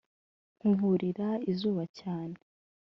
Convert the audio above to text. nkuburira izuba cyane